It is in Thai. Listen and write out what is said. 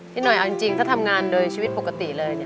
หน่อยเอาจริงถ้าทำงานโดยชีวิตปกติเลย